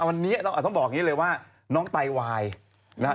วันนี้เราต้องบอกอย่างนี้เลยว่า